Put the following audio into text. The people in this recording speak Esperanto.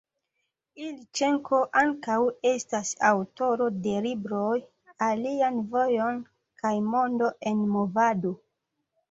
Ilĉenko ankaŭ estas aŭtoro de libroj «Alian vojon» kaj «Mondo en movado».